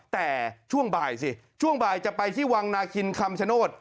แต่ช่วงบ่ายสิช่วงบ่ายจะไปที่วังนาคินคำชโนธ